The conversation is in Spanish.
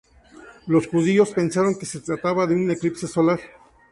Los judíos pensaron que se trataba de un eclipse solar.